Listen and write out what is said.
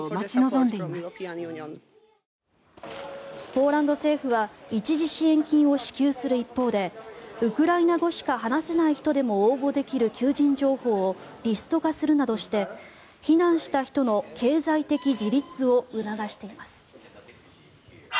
ポーランド政府が一時支援金を支給する一方でウクライナ語しか話せない人でも応募できる求人情報をリスト化するなどして避難した人の経済的自立を促しています。